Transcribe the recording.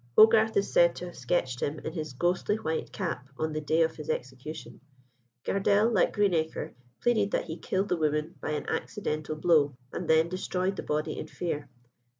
Hogarth is said to have sketched him in his ghostly white cap on the day of his execution. Gardelle, like Greenacre, pleaded that he killed the woman by an accidental blow, and then destroyed the body in fear.